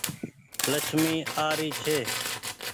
لڇمي آ ري ڇي۔